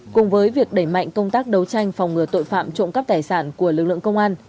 cùng với việc đẩy mạnh công tác đấu tranh phòng ngừa tội phạm trộm cắp tài sản của lực lượng công an